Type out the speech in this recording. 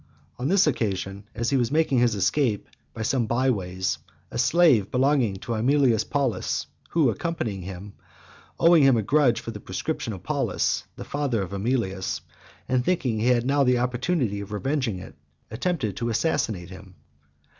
On this occasion, as he was making his escape by some bye ways, a slave belonging to Aemilius Paulus, who accompanied him, owing him a grudge for the proscription of Paulus, the father of Aemilius, and thinking he had now an opportunity of revenging it, attempted to assassinate him.